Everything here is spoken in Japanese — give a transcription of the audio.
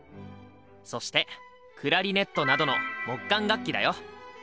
そしてクラリネットなどの木管楽器だよ！